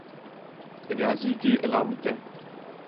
ریاضی کی علامتیں